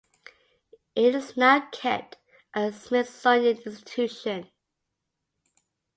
It is now kept at the Smithsonian Institution.